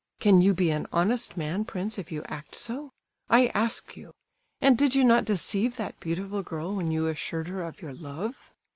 Can you be an honest man, prince, if you act so? I ask you! And did you not deceive that beautiful girl when you assured her of your love?"